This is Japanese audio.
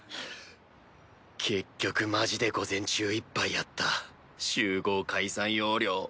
結局マジで午前中一杯やった集合解散要領。